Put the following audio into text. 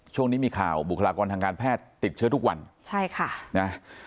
ช่วงนี้มีข่าวบุคลากรทางการแพทย์ติดเชื้อทุกวันใช่ค่ะนะ